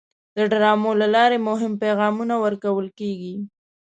د ډرامو له لارې مهم پیغامونه ورکول کېږي.